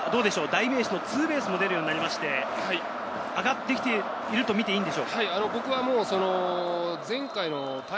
代名詞のツーベースも出るようになりまして、上がってきているとみていいんでしょうか？